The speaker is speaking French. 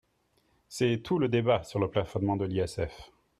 C’est tout le débat sur le plafonnement de l’ISF.